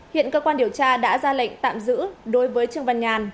hiện cơ quan điều tra đã ra lệnh tạm giữ đối với trương văn nhàn